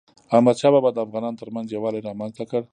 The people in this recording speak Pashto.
احمدشاه بابا د افغانانو ترمنځ یووالی رامنځته کړ.